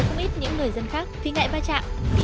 lát nên phải đi học thêm